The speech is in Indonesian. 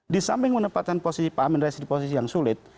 di samping menempatkan posisi pak amin rais di posisi yang sulit